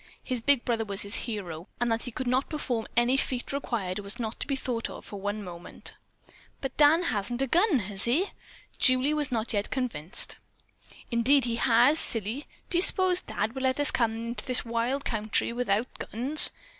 His big brother was his hero, and that he could not perform any feat required was not to be thought of for one moment. "But Dan hasn't a gun, has he?" Julie was not yet convinced. "Indeed he has, silly. Do you s'pose Dad would let us come into this wild country without guns?